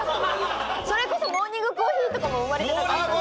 それこそ『モーニングコーヒー』とかも生まれてなかった？